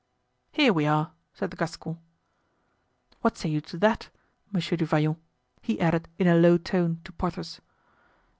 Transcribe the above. "Here we are," said the Gascon. "What say you to that, Monsieur du Vallon?" he added in a low tone to Porthos.